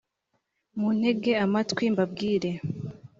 muntege amatwi mbabwire